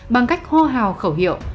bằng cách ho hào khẩu hiệu